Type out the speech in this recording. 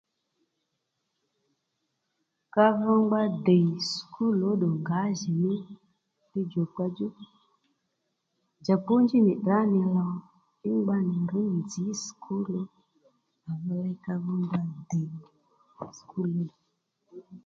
Ka vi ngba ddìy skul ó ddù ngǎjìní lidjù kpa djú jàpónjí nì tdrǎ nì lò fú ngba nì rř nzǐ skul ó à vi ley ka vi ngba ddìy skul ó ddù